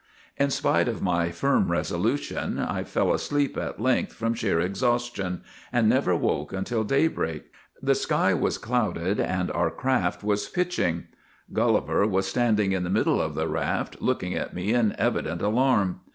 ' In spite of my firm resolution, I fell asleep at length from sheer exhaustion, and never woke until daybreak. The sky was clouded and our craft was GULLIVER THE GREAT 19 pitching. Gulliver was standing in the middle of the raft, looking at me in evident alarm.